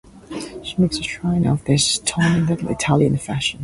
She makes a shrine of his tomb in the Italian fashion.